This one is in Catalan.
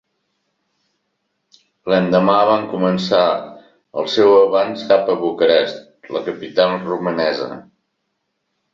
L'endemà van començar el seu avanç cap a Bucarest, la capital romanesa.